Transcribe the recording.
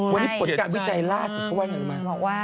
วันนี้ผลการวิจัยล่าสุดเขาว่าไงรู้ไหม